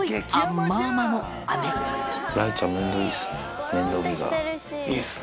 雷ちゃん、面倒見がいいですね。